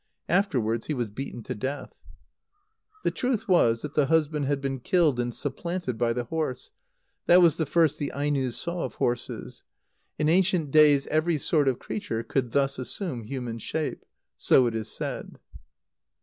Afterwards he was beaten to death. The truth was that the husband had been killed and supplanted by the horse. That was the first the Ainos saw of horses. In ancient days every sort of creature could thus assume human shape. So it is said.